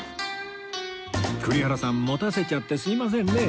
栗原さん持たせちゃってすみませんね